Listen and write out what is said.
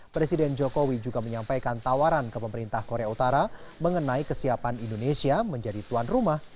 presiden jokowi juga menyampaikan tawaran ke pemerintah korea utara mengenai kesiapan indonesia menjadi tuan rumah